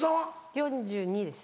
４２です。